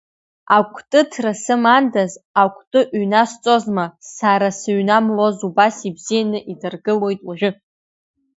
Акәтыҭра сымандаз, акәты ҩнасҵозма, сара сыҩнамлоз убас ибзианы идыргылоит уажәы!